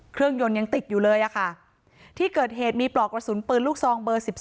เครื่องยนต์ยังติดอยู่เลยค่ะที่เกิดเหตุมีปลอกกระสุนปืนลูกซองเบอร์๑๒